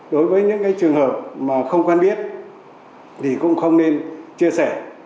đối với những cái trường hợp mà không quan biết thì cũng không nên chia sẻ